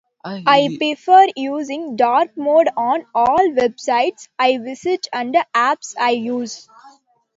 I prefer using dark mode on all websites I visit and apps I use.